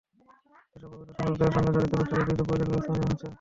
এসব অবৈধ সংযোগ দেওয়ার সঙ্গে জড়িত ব্যক্তিদের বিরুদ্ধে প্রয়োজনীয় ব্যবস্থাও নেওয়া হচ্ছে।